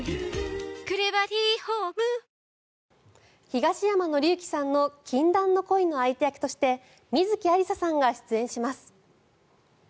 東山紀之さんの禁断の恋の相手役として観月ありささんが出演します。